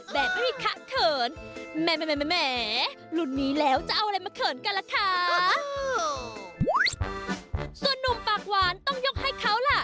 แบบนี้ค่ะเขินแม่รุ่นนี้แล้วจะเอาอะไรมาเขินกันล่ะค่ะ